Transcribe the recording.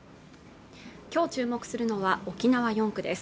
今日注目するのは沖縄４区です